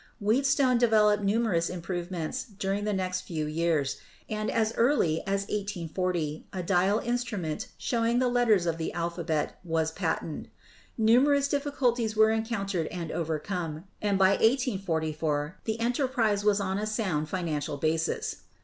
Wheat stone developed numerous improvements during the next few years, and as early as 1840 a dial instrument show ing the letters of the alphabet was patented. Numerous difficulties were encountered and overcome, and by 1844 the enterprise was on a sound financial basis.